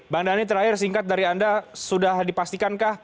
bang dhani terakhir singkat dari anda sudah dipastikankah